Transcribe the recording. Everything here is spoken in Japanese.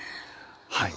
はい。